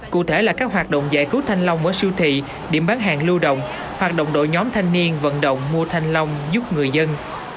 cụ thể là các hoạt động giải cứu thanh long ở siêu thị điểm bán hàng lưu động hoạt động đội nhóm thanh niên vận động mua thanh long giúp người dân